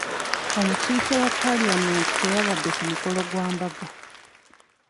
Omukiise wa palamenti teyabadde ku mukolo gwa mbaga.